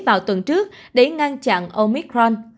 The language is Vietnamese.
vào tuần trước để ngăn chặn omicron